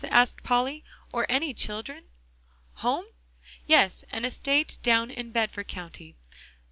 asked Polly, "or any children?" "Home? Yes, an estate down in Bedford County?